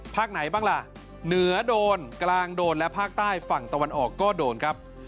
ไหนบ้างล่ะเหนือโดนกลางโดนและภาคใต้ฝั่งตะวันออกก็โดนครับ